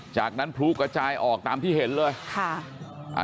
จากนั้นพลูกระจายออกตามที่เห็นเลยค่ะ